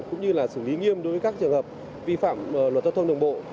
cũng như là xử lý nghiêm đối với các trường hợp vi phạm luật giao thông đường bộ